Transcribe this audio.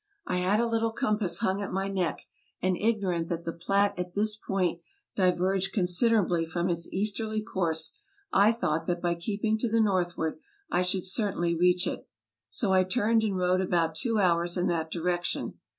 I had a little compass hung at my neck ; and ignorant that the Platte at this point diverged considerably from its easterly course, I thought that by keeping to the northward I should certainly reach it. So I turned and rode about two hours in that direction.